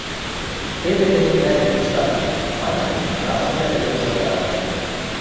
– Теве тӹньӹн вӓрет кыштакен! – манын, монашкывлӓ тӹдӹм сотарат.